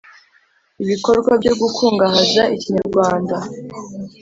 ibikorwa byo gukungahaza ikinyarwanda